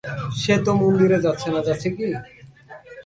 সে তো মন্দিরে যাচ্ছে না, যাচ্ছে কি?